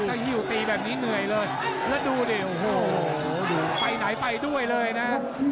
ถ้าหิ้วตีแบบนี้เหนื่อยเลยแล้วดูดิโอ้โหไปไหนไปด้วยเลยนะ